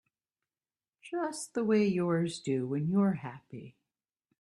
Just the way yours do when you're happy.